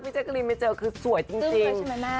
พี่เจคลินไม่เจอคือสวยจริง